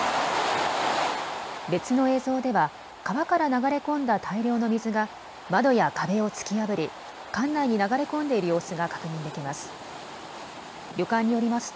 別の映像では川から流れ込んだ大量の水が窓や壁を突き破り館内に流れ込んでいる様子が確認できます。